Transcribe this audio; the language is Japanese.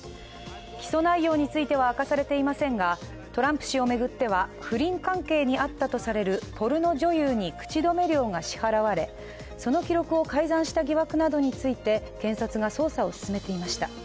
起訴内容については明かされていませんが、トランプ氏を巡っては不倫関係にあったとされるポルノ女優に口止め料が支払われ、その記録を改ざんした疑惑などについて検察が捜査を進めていました。